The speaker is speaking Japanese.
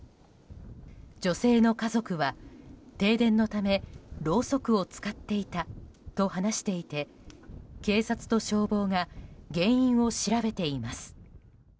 女性の家族は、停電のためろうそくを使っていたと話していて警察と消防が原因を調べています。